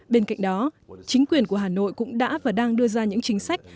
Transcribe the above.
bên cạnh đó chính quyền của hà nội cũng đã và đang đưa ra những chính sách